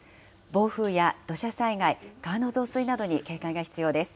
暴風や土砂災害、川の増水などに警戒が必要です。